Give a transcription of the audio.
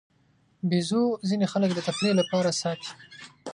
بیزو ته ځینې خلک د تفریح لپاره ساتي.